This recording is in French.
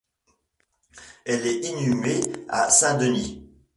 Elle est inhumée à Saint-Denis.